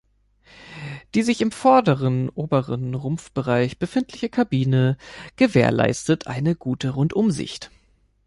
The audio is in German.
Die sich im vorderen oberen Rumpfbereich befindliche Kabine gewährleistete eine gute Rundumsicht.